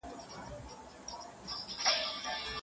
لا یې پر ملاباندي را بار کړه یوه بله بورۍ